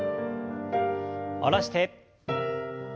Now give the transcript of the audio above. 下ろして。